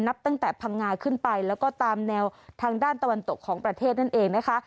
นับตั้งแต่พังงาขึ้นไปแล้วก็ตามแนวทางด้านตะวันตกของประเทศนั่นเองนะคะ